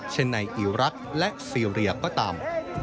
เช่นในอิรักษ์และซีเรียก็ตาม